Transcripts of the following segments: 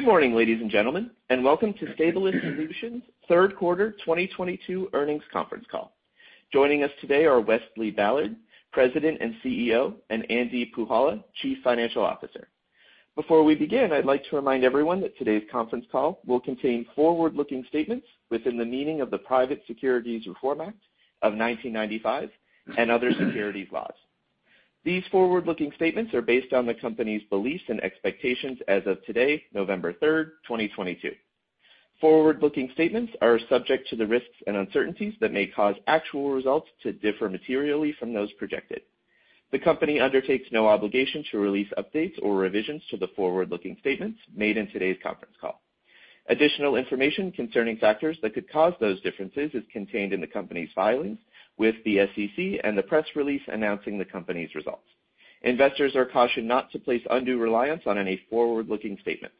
Good morning, ladies and gentlemen, and welcome to Stabilis Solutions third quarter 2022 earnings conference call. Joining us today are Westy Ballard, President and CEO, and Andy Puhala, Chief Financial Officer. Before we begin, I'd like to remind everyone that today's conference call will contain forward-looking statements within the meaning of the Private Securities Litigation Reform Act of 1995 and other securities laws. These forward-looking statements are based on the company's beliefs and expectations as of today, November 3rd, 2022. Forward-looking statements are subject to the risks and uncertainties that may cause actual results to differ materially from those projected. The company undertakes no obligation to release updates or revisions to the forward-looking statements made in today's conference call. Additional information concerning factors that could cause those differences is contained in the company's filings with the SEC and the press release announcing the company's results. Investors are cautioned not to place undue reliance on any forward-looking statements.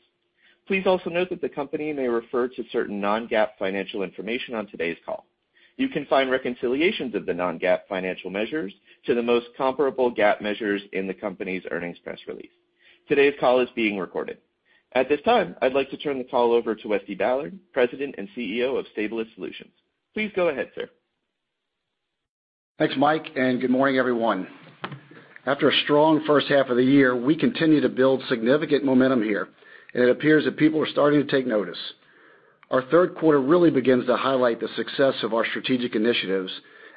Please also note that the company may refer to certain non-GAAP financial information on today's call. You can find reconciliations of the non-GAAP financial measures to the most comparable GAAP measures in the company's earnings press release. Today's call is being recorded. At this time, I'd like to turn the call over to Westy Ballard, President and CEO of Stabilis Solutions. Please go ahead, sir. Thanks, Mike, and good morning, everyone. After a strong first half of the year, we continue to build significant momentum here, and it appears that people are starting to take notice. Our third quarter really begins to highlight the success of our strategic initiatives,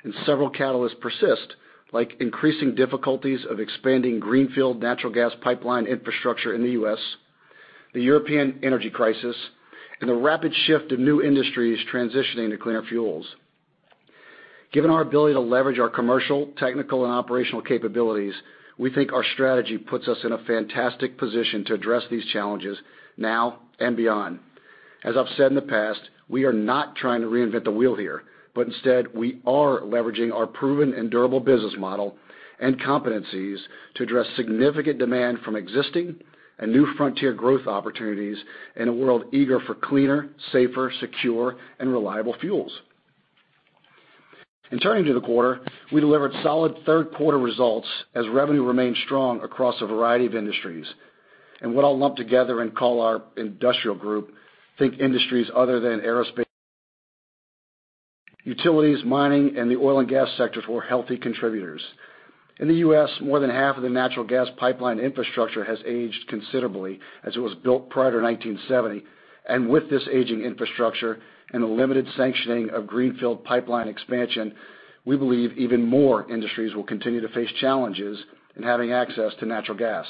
and several catalysts persist, like increasing difficulties of expanding greenfield natural gas pipeline infrastructure in the U.S., the European energy crisis, and the rapid shift of new industries transitioning to cleaner fuels. Given our ability to leverage our commercial, technical, and operational capabilities, we think our strategy puts us in a fantastic position to address these challenges now and beyond. As I've said in the past, we are not trying to reinvent the wheel here, but instead, we are leveraging our proven and durable business model and competencies to address significant demand from existing and new frontier growth opportunities in a world eager for cleaner, safer, secure, and reliable fuels. Turning to the quarter, we delivered solid third quarter results as revenue remained strong across a variety of industries. What I'll lump together and call our industrial group, think industries other than aerospace, utilities, mining, and the oil and gas sectors were healthy contributors. In the U.S., more than half of the natural gas pipeline infrastructure has aged considerably as it was built prior to 1970. With this aging infrastructure and a limited sanctioning of greenfield pipeline expansion, we believe even more industries will continue to face challenges in having access to natural gas.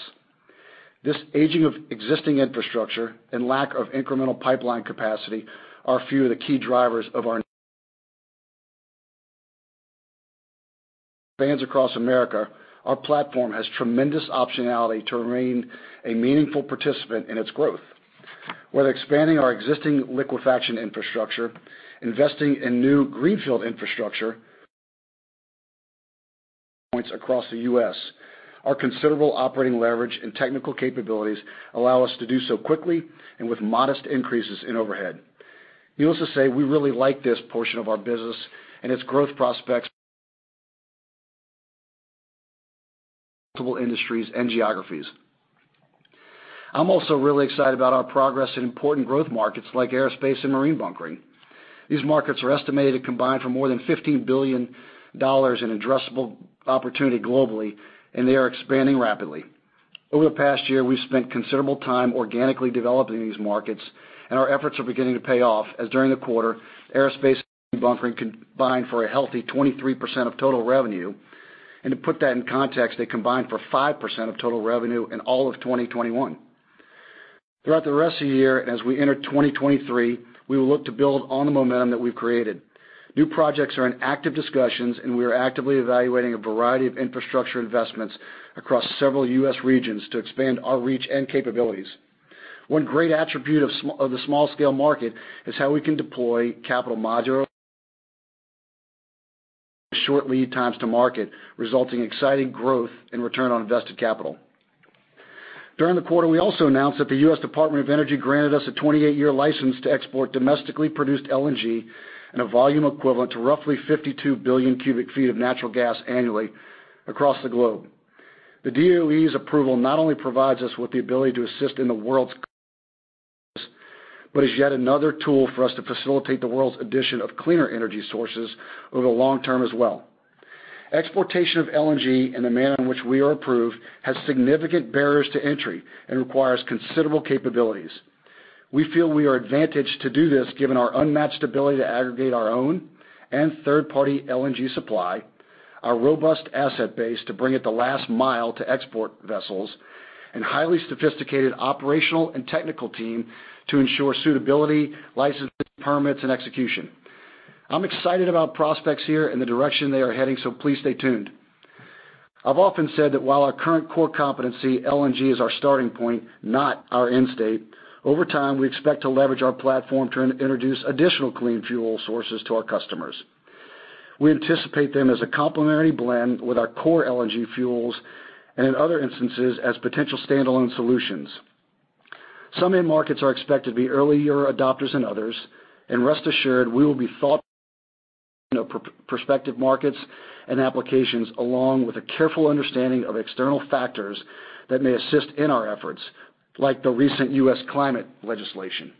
This aging of existing infrastructure and lack of incremental pipeline capacity are a few of the key drivers of our spans across America. Our platform has tremendous optionality to remain a meaningful participant in its growth. We're expanding our existing liquefaction infrastructure, investing in new greenfield infrastructure points across the U.S. Our considerable operating leverage and technical capabilities allow us to do so quickly and with modest increases in overhead. Needless to say, we really like this portion of our business and its growth prospects multiple industries and geographies. I'm also really excited about our progress in important growth markets like aerospace and marine bunkering. These markets are estimated to combine for more than $15 billion in addressable opportunity globally, and they are expanding rapidly. Over the past year, we've spent considerable time organically developing these markets, and our efforts are beginning to pay off as during the quarter, aerospace and bunkering combined for a healthy 23% of total revenue. To put that in context, they combined for 5% of total revenue in all of 2021. Throughout the rest of the year, as we enter 2023, we will look to build on the momentum that we've created. New projects are in active discussions, and we are actively evaluating a variety of infrastructure investments across several U.S. regions to expand our reach and capabilities. One great attribute of the small scale market is how we can deploy capital modular short lead times to market, resulting in exciting growth and return on invested capital. During the quarter, we also announced that the U.S. Department of Energy granted us a 28-year license to export domestically produced LNG in a volume equivalent to roughly 52 billion cu ft of natural gas annually across the globe. The DOE's approval not only provides us with the ability to assist in the world's current energy crisis, but is yet another tool for us to facilitate the world's addition of cleaner energy sources over the long term as well. Exportation of LNG in the manner in which we are approved has significant barriers to entry and requires considerable capabilities. We feel we are advantaged to do this given our unmatched ability to aggregate our own and third-party LNG supply, our robust asset base to bring it the last mile to export vessels, and highly sophisticated operational and technical team to ensure suitability, licensing, permits, and execution. I'm excited about prospects here and the direction they are heading, so please stay tuned. I've often said that while our current core competency, LNG, is our starting point, not our end state, over time, we expect to leverage our platform to introduce additional clean fuel sources to our customers. We anticipate them as a complementary blend with our core LNG fuels and in other instances, as potential standalone solutions. Some end markets are expected to be earlier adopters than others, and rest assured we will be. You know, prospective markets and applications, along with a careful understanding of external factors that may assist in our efforts, like the recent U.S. climate legislation.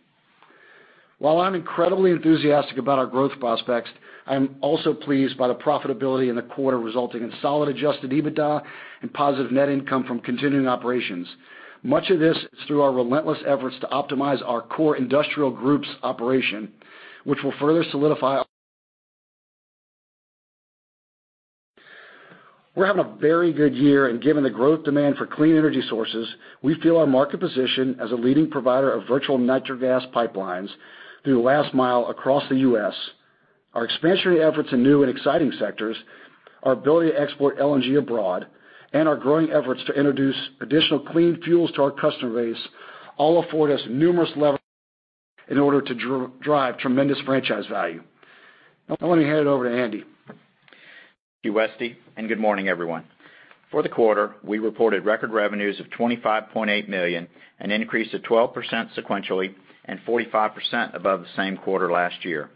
While I'm incredibly enthusiastic about our growth prospects, I am also pleased by the profitability in the quarter, resulting in solid adjusted EBITDA and positive net income from continuing operations. Much of this is through our relentless efforts to optimize our core industrial group's operation, which will further solidify. We're having a very good year, and given the growth demand for clean energy sources, we feel our market position as a leading provider of virtual natural gas pipelines through the last mile across the U.S., our expansionary efforts in new and exciting sectors, our ability to export LNG abroad, and our growing efforts to introduce additional clean fuels to our customer base all afford us numerous levers in order to drive tremendous franchise value. Now let me hand it over to Andy. Thank you, Westy, and good morning, everyone. For the quarter, we reported record revenues of $25.8 million, an increase of 12% sequentially and 45% above the same quarter last year.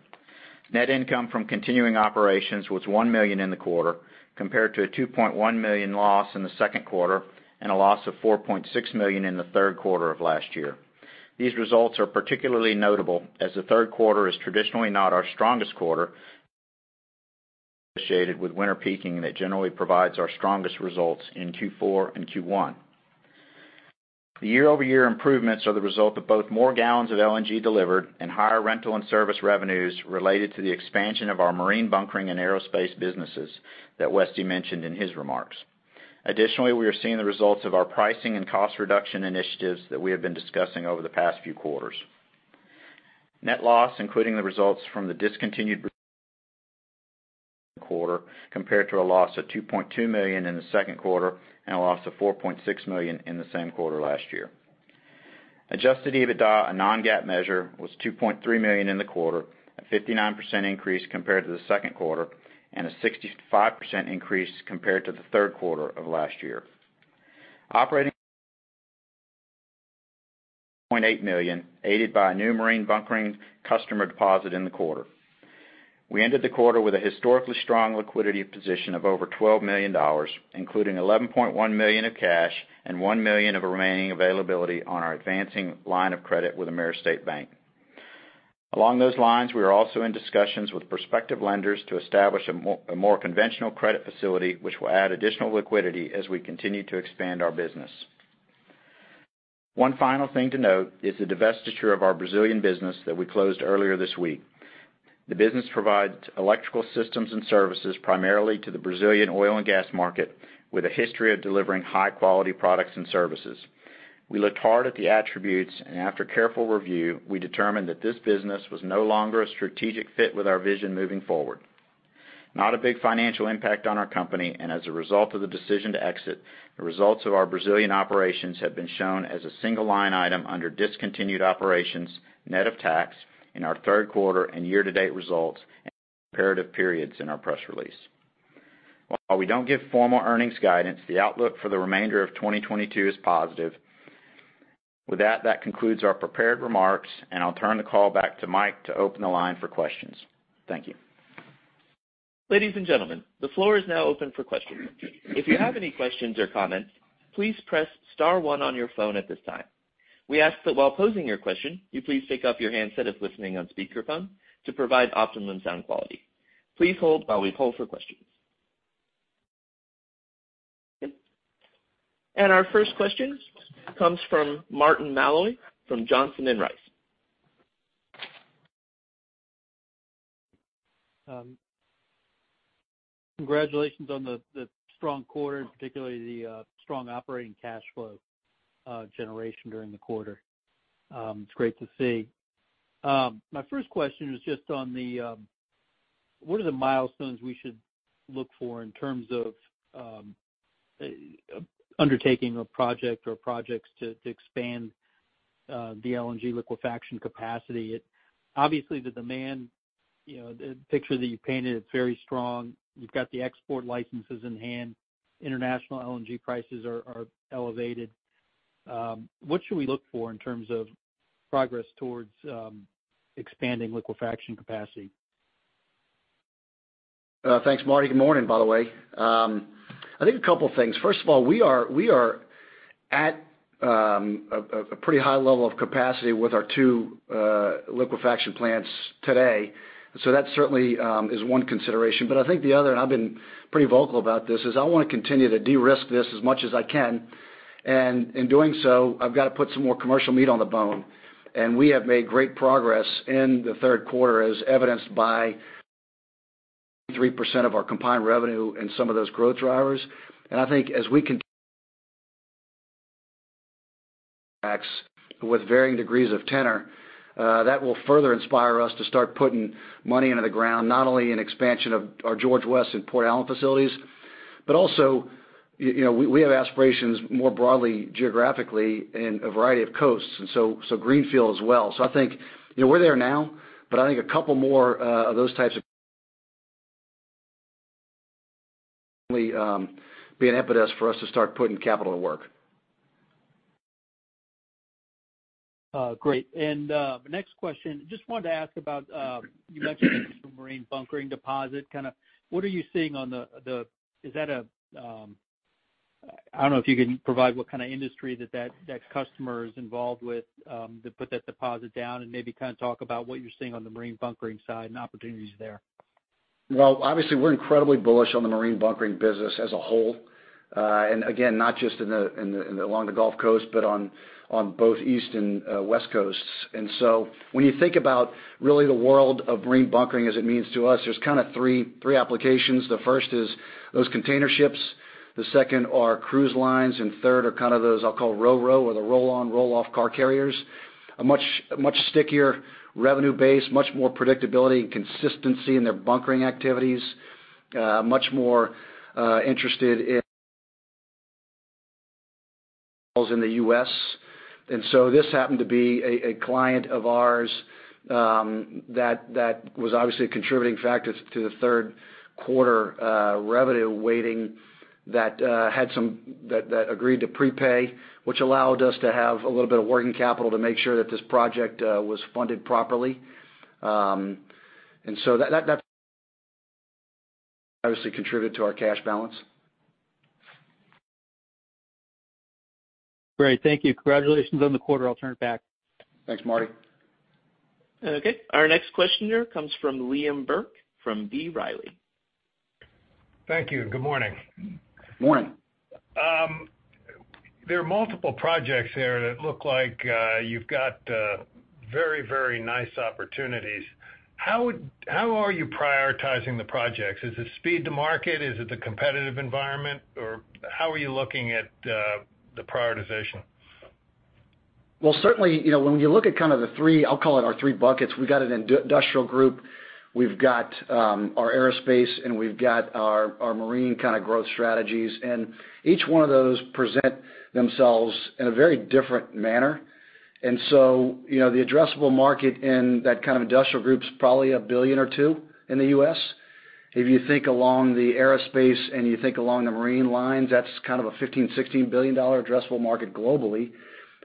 Net income from continuing operations was $1 million in the quarter, compared to a $2.1 million loss in the second quarter and a loss of $4.6 million in the third quarter of last year. These results are particularly notable as the third quarter is traditionally not our strongest quarter, associated with winter peaking that generally provides our strongest results in Q4 and Q1. The year-over-year improvements are the result of both more gallons of LNG delivered and higher rental and service revenues related to the expansion of our marine bunkering and aerospace businesses that Westy mentioned in his remarks. Additionally, we are seeing the results of our pricing and cost reduction initiatives that we have been discussing over the past few quarters. Net loss, including the results from the discontinued quarter compared to a loss of $2.2 million in the second quarter and a loss of $4.6 million in the same quarter last year. Adjusted EBITDA, a non-GAAP measure, was $2.3 million in the quarter, a 59% increase compared to the second quarter and a 65% increase compared to the third quarter of last year. Operating $0.8 million, aided by a new marine bunkering customer deposit in the quarter. We ended the quarter with a historically strong liquidity position of over $12 million, including $11.1 million of cash and $1 million of remaining availability on our advancing line of credit with Ameris Bank. Along those lines, we are also in discussions with prospective lenders to establish a more conventional credit facility, which will add additional liquidity as we continue to expand our business. One final thing to note is the divestiture of our Brazilian business that we closed earlier this week. The business provides electrical systems and services primarily to the Brazilian oil and gas market with a history of delivering high-quality products and services. We looked hard at the attributes, and after careful review, we determined that this business was no longer a strategic fit with our vision moving forward. Not a big financial impact on our company, and as a result of the decision to exit, the results of our Brazilian operations have been shown as a single line item under discontinued operations, net of tax in our third quarter and year-to-date results, comparative periods in our press release. While we don't give formal earnings guidance, the outlook for the remainder of 2022 is positive. With that, concludes our prepared remarks, and I'll turn the call back to Mike to open the line for questions. Thank you. Ladies and gentlemen, the floor is now open for questions. If you have any questions or comments, please press star one on your phone at this time. We ask that while posing your question, you please pick up your handset if listening on speakerphone to provide optimum sound quality. Please hold while we poll for questions. Our first question comes from Martin Malloy from Johnson Rice. Congratulations on the strong quarter, and particularly the strong operating cash flow generation during the quarter. It's great to see. My first question is just on what are the milestones we should look for in terms of undertaking a project or projects to expand the LNG liquefaction capacity? Obviously, the demand, you know, the picture that you painted, it's very strong. You've got the export licenses in hand. International LNG prices are elevated. What should we look for in terms of progress towards expanding liquefaction capacity? Thanks, Martin. Good morning, by the way. I think a couple things. First of all, we are at a pretty high level of capacity with our two liquefaction plants today. That certainly is one consideration. I think the other, and I've been pretty vocal about this, is I wanna continue to de-risk this as much as I can. In doing so, I've got to put some more commercial meat on the bone. We have made great progress in the third quarter, as evidenced by 3% of our combined revenue and some of those growth drivers. I think as we continue... Acts with varying degrees of tenor that will further inspire us to start putting money into the ground, not only in expansion of our George West and Port Allen facilities, but also, you know, we have aspirations more broadly geographically in a variety of coasts, and so, greenfield as well. I think, you know, we're there now, but I think a couple more of those types of acts will be an impetus for us to start putting capital to work. Great. The next question just wanted to ask about you mentioned the marine bunkering deposit. Is that a, I don't know if you can provide what kind of industry that customer is involved with to put that deposit down and maybe kind of talk about what you're seeing on the marine bunkering side and opportunities there. Well, obviously, we're incredibly bullish on the marine bunkering business as a whole. Again, not just along the Gulf Coast, but on both East and West Coasts. When you think about really the world of marine bunkering as it means to us, there's kind of three applications. The first is those container ships, the second are cruise lines, and third are kind of those I'll call Ro-Ro or the roll on roll off car carriers. A much stickier revenue base, much more predictability and consistency in their bunkering activities. Much more interested in the U.S. This happened to be a client of ours that was obviously a contributing factor to the third quarter revenue weighting that agreed to prepay, which allowed us to have a little bit of working capital to make sure that this project was funded properly. That obviously contributed to our cash balance. Great. Thank you. Congratulations on the quarter. I'll turn it back. Thanks, Martin. Okay, our next question here comes from Liam Burke from B. Riley. Thank you, and good morning. Morning. There are multiple projects there that look like you've got very, very nice opportunities. How are you prioritizing the projects? Is it speed to market? Is it the competitive environment, or how are you looking at the prioritization? Well, certainly, you know, when you look at kind of the three, I'll call it our three buckets, we've got an industrial group, we've got our aerospace, and we've got our marine kind of growth strategies. Each one of those present themselves in a very different manner. You know, the addressable market in that kind of industrial group is probably $1 billion or $2 billion in the U.S. If you think along the aerospace and you think along the marine lines, that's kind of a $15 billion-$16 billion addressable market globally.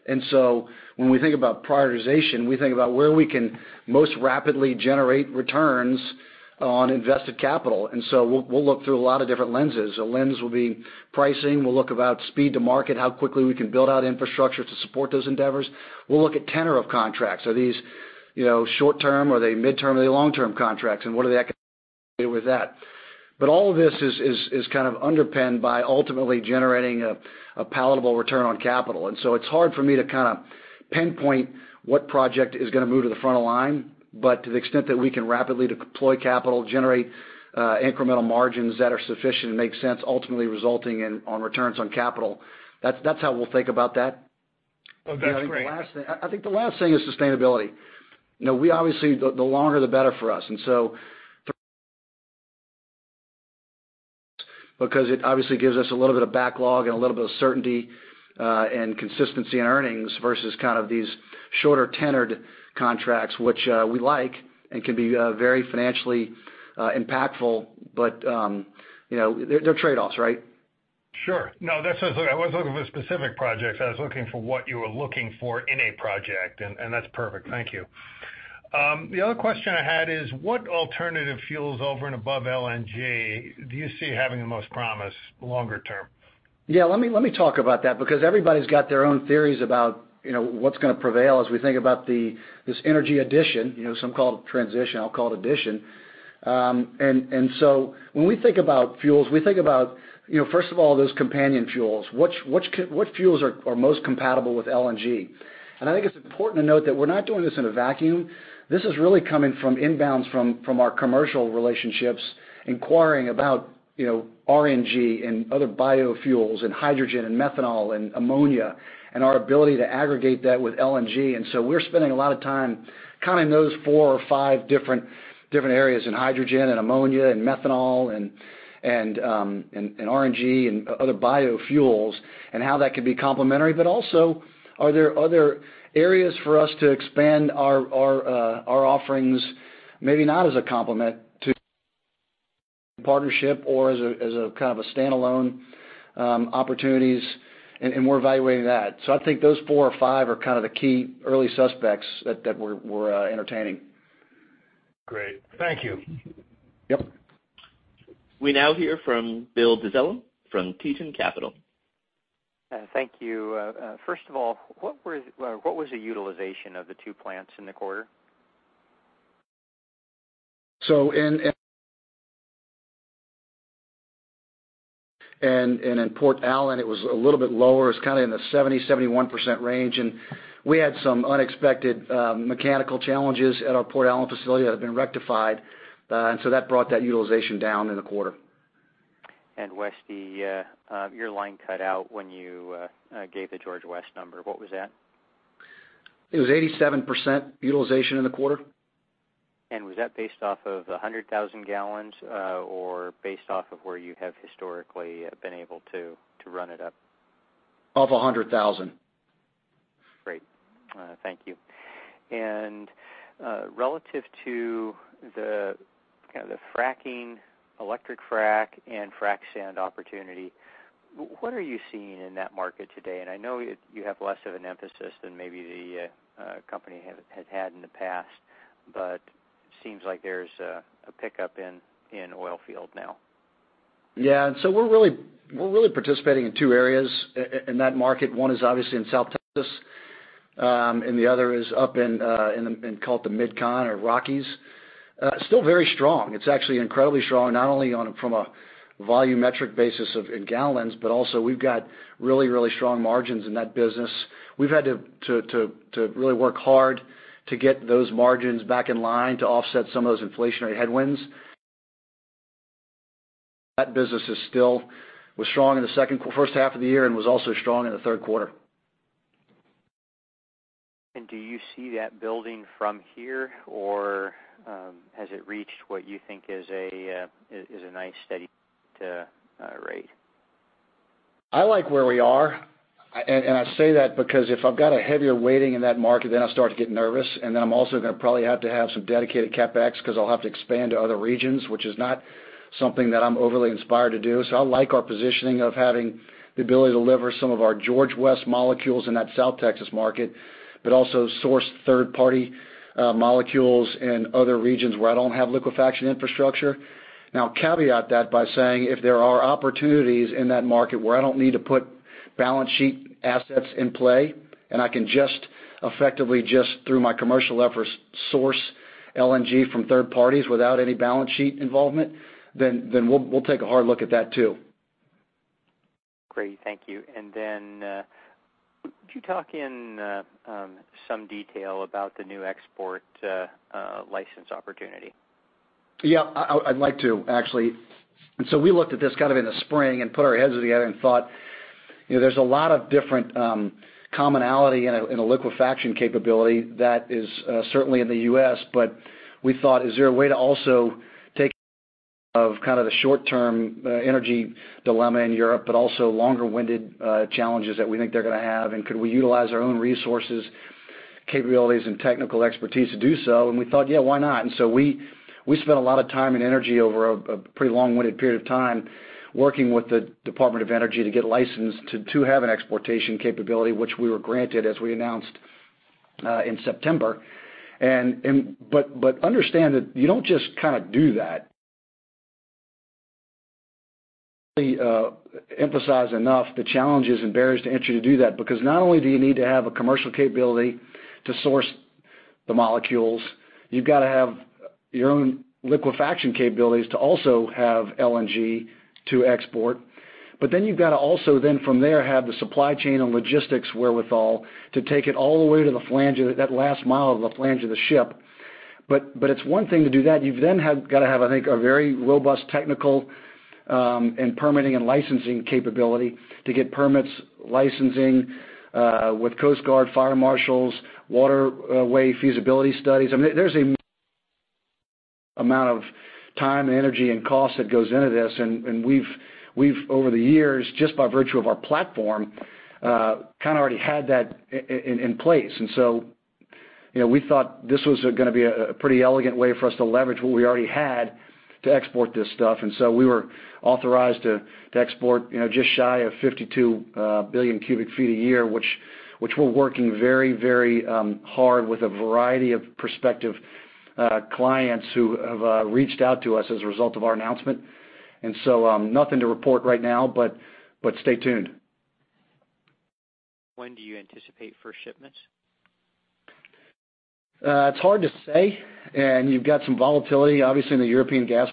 When we think about prioritization, we think about where we can most rapidly generate returns on invested capital. We'll look through a lot of different lenses. A lens will be pricing. We'll look about speed to market, how quickly we can build out infrastructure to support those endeavors. We'll look at tenor of contracts. Are these, you know, short-term? Are they mid-term? Are they long-term contracts, and what are the economics with that? All of this is kind of underpinned by ultimately generating a palatable return on capital. It's hard for me to kinda pinpoint what project is gonna move to the front of line, but to the extent that we can rapidly deploy capital, generate incremental margins that are sufficient and make sense, ultimately resulting in returns on capital, that's how we'll think about that. Well, that's great. I think the last thing is sustainability. You know, we obviously the longer, the better for us. Because it obviously gives us a little bit of backlog and a little bit of certainty and consistency in earnings versus kind of these shorter tenured contracts, which we like and can be very financially impactful. You know, there are trade-offs, right? Sure. No, that's okay. I wasn't looking for specific projects. I was looking for what you were looking for in a project, and that's perfect. Thank you. The other question I had is what alternative fuels over and above LNG do you see having the most promise longer term? Yeah, let me talk about that because everybody's got their own theories about, you know, what's gonna prevail as we think about this energy addition. You know, some call it transition, I'll call it addition. So when we think about fuels, we think about, you know, first of all, those companion fuels. What fuels are most compatible with LNG? I think it's important to note that we're not doing this in a vacuum. This is really coming from inbounds from our commercial relationships inquiring about, you know, RNG and other biofuels and hydrogen and methanol and ammonia, and our ability to aggregate that with LNG. We're spending a lot of time kinda in those four or five different areas in hydrogen and ammonia and methanol and RNG and other biofuels and how that could be complementary. Also, are there other areas for us to expand our offerings, maybe not as a complement to partnership or as a kind of a standalone opportunities, and we're evaluating that. I think those four or five are kind of the key early suspects that we're entertaining. Great. Thank you. Yep. We now hear from Bill Dezellem from Tieton Capital. Thank you. First of all, what was the utilization of the two plants in the quarter? In Port Allen, it was a little bit lower. It's kinda in the 71% range, and we had some unexpected mechanical challenges at our Port Allen facility that have been rectified. That brought that utilization down in the quarter. Westy, your line cut out when you gave the George West number. What was that? It was 87% utilization in the quarter. Was that based off of 100,000 gal, or based off of where you have historically been able to run it up? Of 100,000 gal. Great. Thank you. Relative to the kind of the fracking, electric frack and frack sand opportunity, what are you seeing in that market today? I know you have less of an emphasis than maybe the company had in the past, but seems like there's a pickup in oil field now. Yeah. We're really participating in two areas in that market. One is obviously in South Texas, and the other is up in called the MidCon or Rockies. It's still very strong. It's actually incredibly strong, not only from a volumetric basis in gallons, but also we've got really strong margins in that business. We've had to really work hard to get those margins back in line to offset some of those inflationary headwinds. That business was strong in the first half of the year and was also strong in the third quarter. Do you see that building from here, or has it reached what you think is a nice steady rate? I like where we are. I say that because if I've got a heavier weighting in that market, then I start to get nervous. I'm also gonna probably have to have some dedicated CapEx 'cause I'll have to expand to other regions, which is not something that I'm overly inspired to do. I like our positioning of having the ability to deliver some of our George West molecules in that South Texas market, but also source third-party molecules in other regions where I don't have liquefaction infrastructure. Now, caveat that by saying, if there are opportunities in that market where I don't need to put balance sheet assets in play, and I can just effectively through my commercial efforts, source LNG from third parties without any balance sheet involvement, then we'll take a hard look at that too. Great. Thank you. Could you talk in some detail about the new export license opportunity? Yeah. I'd like to actually. We looked at this kind of in the spring and put our heads together and thought, you know, there's a lot of different commonality in a liquefaction capability that is certainly in the U.S., but we thought, is there a way to also take advantage of kind of the short-term energy dilemma in Europe, but also longer-term challenges that we think they're gonna have, and could we utilize our own resources, capabilities, and technical expertise to do so? We thought, yeah, why not? We spent a lot of time and energy over a pretty lengthy period of time working with the Department of Energy to get licensed to have an exportation capability, which we were granted as we announced in September. Understand that you don't just kind of do that. Emphasize enough the challenges and barriers to entry to do that because not only do you need to have a commercial capability to source the molecules, you've got to have your own liquefaction capabilities to also have LNG to export. Then you've got to also then from there have the supply chain and logistics wherewithal to take it all the way to that last mile of the flange of the ship. It's one thing to do that. You gotta have, I think, a very robust technical and permitting and licensing capability to get permits, licensing with Coast Guard, fire marshals, waterway feasibility studies. I mean, there's an amount of time, energy, and cost that goes into this. We've over the years, just by virtue of our platform, kind of already had that in place. You know, we thought this was gonna be a pretty elegant way for us to leverage what we already had to export this stuff. We were authorized to export, you know, just shy of 52 billion cu ft a year, which we're working very hard with a variety of prospective clients who have reached out to us as a result of our announcement. Nothing to report right now, but stay tuned. When do you anticipate first shipments? It's hard to say. You've got some volatility, obviously, in the European gas.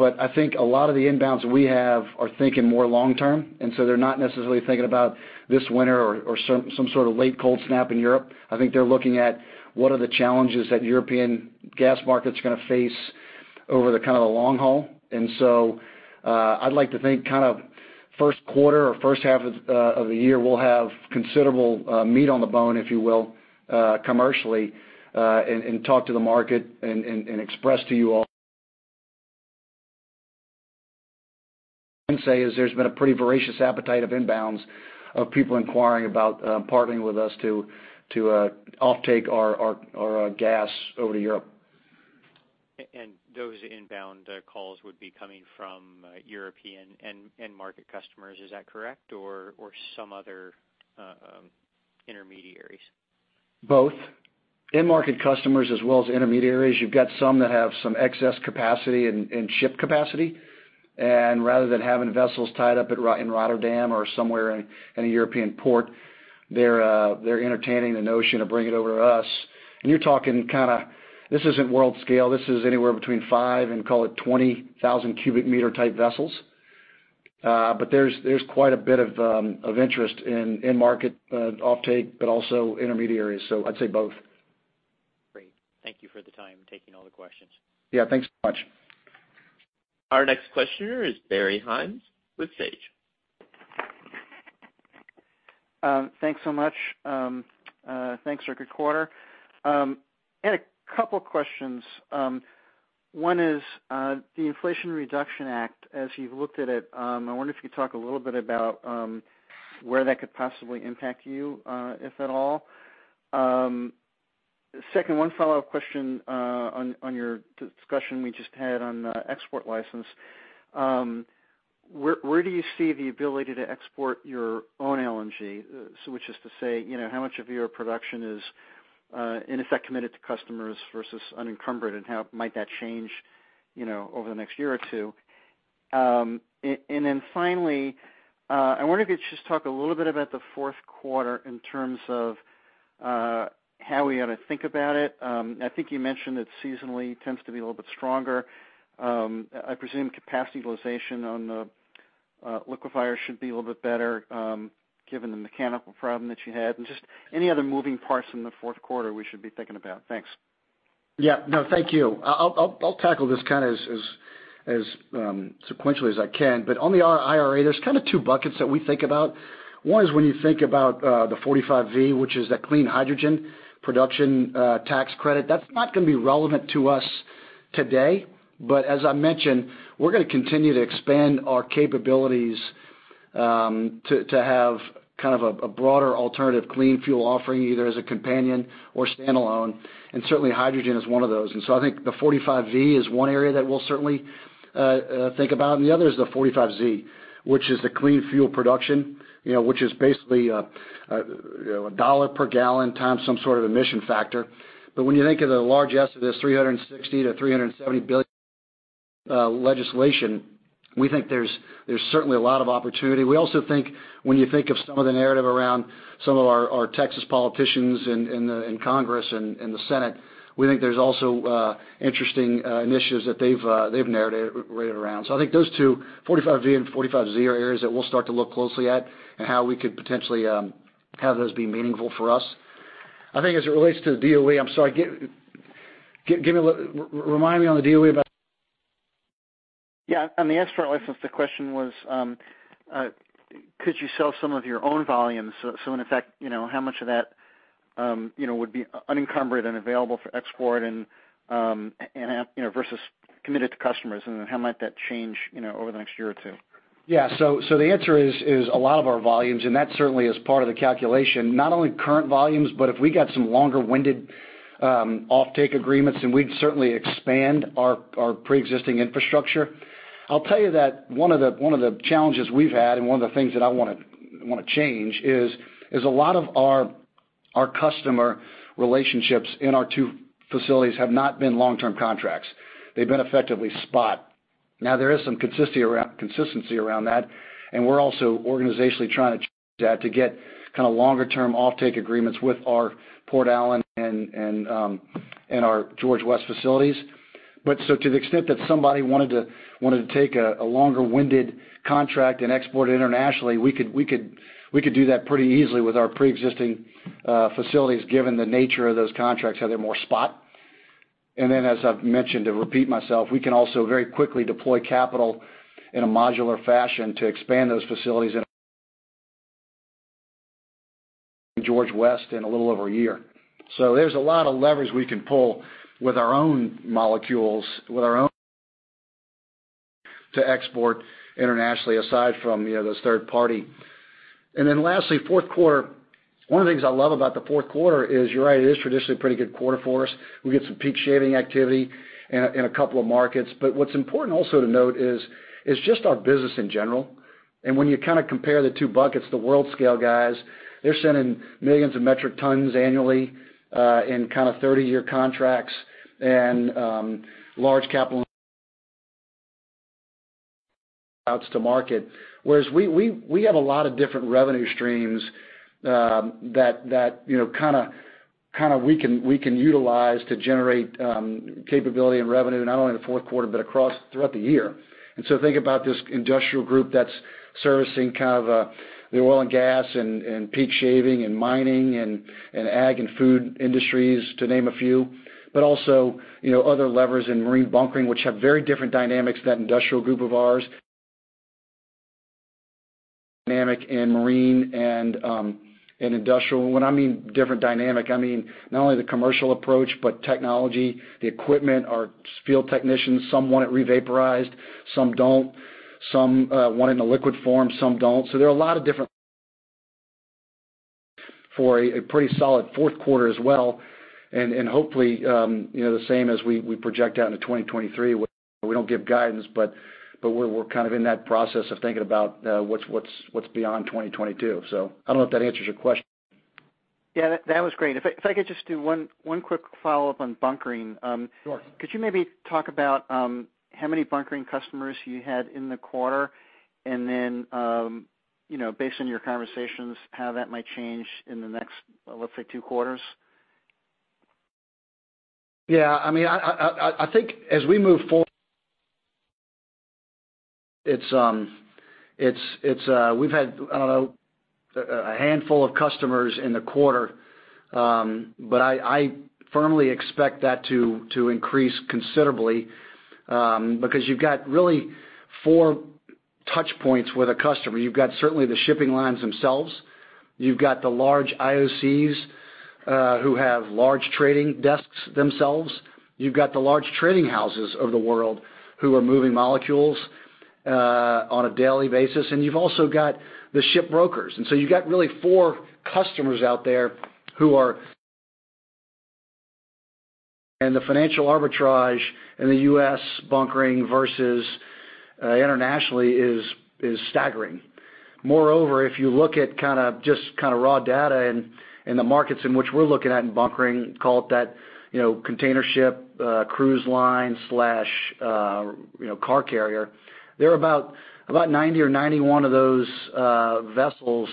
I think a lot of the inbounds we have are thinking more long term, and so they're not necessarily thinking about this winter or some sort of late cold snap in Europe. I think they're looking at what are the challenges that European gas markets are gonna face over the kind of the long haul. I'd like to think kind of first quarter or first half of the year, we'll have considerable meat on the bone, if you will, commercially, and talk to the market and express to you all. I can say is there's been a pretty voracious appetite of inbounds of people inquiring about partnering with us to offtake our gas over to Europe. Those inbound calls would be coming from European end market customers. Is that correct? Or some other intermediaries? Both. End market customers as well as intermediaries. You've got some that have some excess capacity and ship capacity. Rather than having vessels tied up in Rotterdam or somewhere in a European port, they're entertaining the notion of bringing it over to us. You're talking kinda this isn't world scale. This is anywhere between 5,000 cu m and call it 20,000 cu m type vessels. But there's quite a bit of interest in end market offtake, but also intermediaries. I'd say both. Great. Thank you for the time and taking all the questions. Yeah. Thanks so much. Our next questioner is Barry Haimes with Sage. Thanks so much. Thanks for a good quarter. Had a couple questions. One is, the Inflation Reduction Act as you've looked at it. I wonder if you could talk a little bit about where that could possibly impact you, if at all. Second, one follow-up question on your discussion we just had on export license. Where do you see the ability to export your own LNG? So which is to say, you know, how much of your production is and is that committed to customers versus unencumbered, and how might that change, you know, over the next year or two? And then finally, I wonder if you could just talk a little bit about the fourth quarter in terms of how we ought to think about it. I think you mentioned it seasonally tends to be a little bit stronger. I presume capacity utilization on the liquefier should be a little bit better, given the mechanical problem that you had. Just any other moving parts in the fourth quarter we should be thinking about? Thanks. Yeah, no, thank you. I'll tackle this kind of as sequentially as I can. On the IRA, there's kind of two buckets that we think about. One is when you think about the 45V, which is that clean hydrogen production tax credit, that's not gonna be relevant to us today. But as I mentioned, we're gonna continue to expand our capabilities to have kind of a broader alternative clean fuel offering, either as a companion or standalone, and certainly hydrogen is one of those. I think the 45V is one area that we'll certainly think about, and the other is the 45Z, which is the clean fuel production, you know, which is basically $1 per gallon times some sort of emission factor. When you think of the large estimate of $360 billion-$370 billion legislation, we think there's certainly a lot of opportunity. We also think when you think of some of the narrative around some of our Texas politicians in Congress and in the Senate, we think there's also interesting initiatives that they've narrated around. I think those two, 45V and 45Z are areas that we'll start to look closely at and how we could potentially have those be meaningful for us. I think as it relates to the DOE, I'm sorry. Give me a little. Remind me on the DOE about- Yeah. On the export license, the question was, could you sell some of your own volumes? So in effect, you know, how much of that, you know, would be unencumbered and available for export and, you know, versus committed to customers, and how might that change, you know, over the next year or two? Yeah. The answer is a lot of our volumes, and that certainly is part of the calculation. Not only current volumes, but if we got some longer-term off-take agreements, then we'd certainly expand our preexisting infrastructure. I'll tell you that one of the challenges we've had, and one of the things that I wanna change is a lot of our customer relationships in our two facilities have not been long-term contracts. They've been effectively spot. Now, there is some consistency around that, and we're also organizationally trying to change that to get kind of longer-term off-take agreements with our Port Allen and our George West facilities. To the extent that somebody wanted to take a longer-winded contract and export it internationally, we could do that pretty easily with our preexisting facilities, given the nature of those contracts, how they're more spot. As I've mentioned, to repeat myself, we can also very quickly deploy capital in a modular fashion to expand those facilities in George West in a little over a year. There's a lot of leverage we can pull with our own molecules to export internationally aside from, you know, this third party. Lastly, fourth quarter. One of the things I love about the fourth quarter is, you're right, it is traditionally a pretty good quarter for us. We get some peak shaving activity in a couple of markets. What's important also to note is just our business in general. When you kind of compare the two buckets, the world scale guys, they're sending millions of metric tons annually in kind of 30-year contracts and large capital outs to market. Whereas we have a lot of different revenue streams that you know kinda we can utilize to generate capability and revenue not only in the fourth quarter but throughout the year. Think about this industrial group that's servicing kind of the oil and gas and peak shaving and mining and ag and food industries, to name a few. Also, you know, other levers in marine bunkering, which have very different dynamics to that industrial group of ours. Dynamic in marine and industrial. What I mean different dynamic, I mean not only the commercial approach, but technology, the equipment, our field technicians. Some want it revaporized, some don't. Some want it in a liquid form, some don't. There are a lot of different, for a pretty solid fourth quarter as well, and hopefully, you know, the same as we project out into 2023. We don't give guidance, but we're kind of in that process of thinking about what's beyond 2022. I don't know if that answers your question. Yeah, that was great. If I could just do one quick follow-up on bunkering. Sure. Could you maybe talk about how many bunkering customers you had in the quarter? Then, you know, based on your conversations, how that might change in the next, let's say, two quarters? Yeah. I mean, I think as we move forward, we've had, I don't know, a handful of customers in the quarter. I firmly expect that to increase considerably, because you've got really four touch points with a customer. You've got certainly the shipping lines themselves. You've got the large IOCs who have large trading desks themselves. You've got the large trading houses of the world who are moving molecules on a daily basis. You've also got the ship brokers. You've got really four customers out there who are. The financial arbitrage in the U.S. bunkering versus internationally is staggering. Moreover, if you look at kind of just raw data in the markets in which we're looking at in bunkering, call it that, you know, container ship, cruise line, you know, car carrier, there are about 90 or 91 of those vessels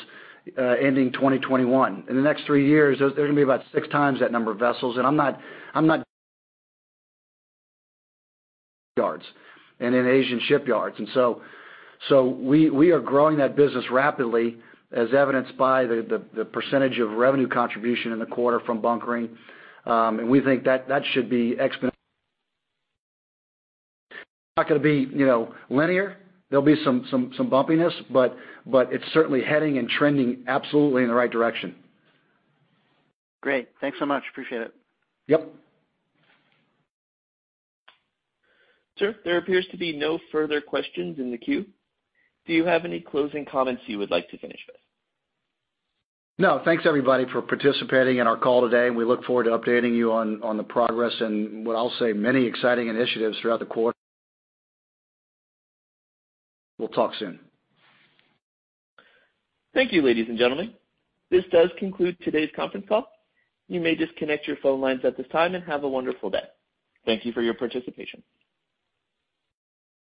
ending 2021. In the next three years, there's gonna be about 6x that number of vessels in yards in Asian shipyards. We are growing that business rapidly as evidenced by the percentage of revenue contribution in the quarter from bunkering. We think that should be. It's not gonna be, you know, linear. There'll be some bumpiness, but it's certainly heading and trending absolutely in the right direction. Great. Thanks so much. Appreciate it. Yep. Sir, there appears to be no further questions in the queue. Do you have any closing comments you would like to finish with? No, thanks everybody for participating in our call today, and we look forward to updating you on the progress and what I'll say many exciting initiatives throughout the quarter. We'll talk soon. Thank you, ladies and gentlemen. This does conclude today's conference call. You may disconnect your phone lines at this time and have a wonderful day. Thank you for your participation.